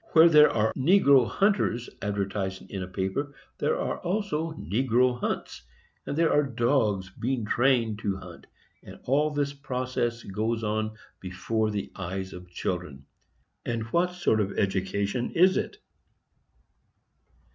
Where there are negro hunters advertising in a paper, there are also negro hunts, and there are dogs being trained to hunt; and all this process goes on before the eyes of children; and what sort of education is it?